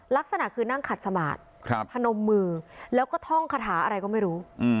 ลักษณะคือนั่งขัดสมาธิพนมมือแล้วก็ท่องคาถาอะไรก็ไม่รู้